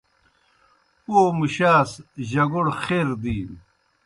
پَو مُشَاس جگوڑ خیر دِینوْ۔